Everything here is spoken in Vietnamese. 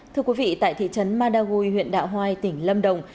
thưa quý vị tại thị trấn madagui huyện đạo hoai tỉnh lâm đồng